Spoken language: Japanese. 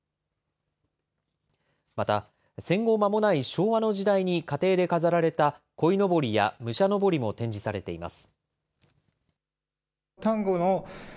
また戦後間もない昭和の時代に家庭で飾られたこいのぼりや、武者のぼりも展示されています。